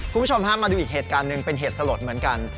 คุณผู้ชมฮะมาดูอีกเหตุการณ์หนึ่งเป็นเหตุสลดเหมือนกัน